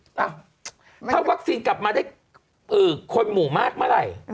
ถ้าวัคซีนกลับมาได้คนหมู่มากเมื่อไหร่